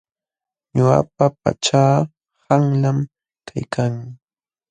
Ñuqapa pachaa qanlam kaykan.